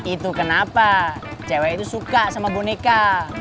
itu kenapa cewek itu suka sama boneka